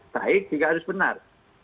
baik jika harus benar